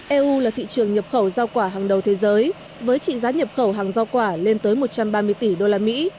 eu là thị trường nhập khẩu giao quả hàng đầu thế giới với trị giá nhập khẩu hàng giao quả lên tới một trăm ba mươi tỷ đô la mỹ